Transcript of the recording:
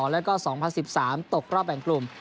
แล้วก็๒๐๑๓ตกรอบแบ่งกลุ่ม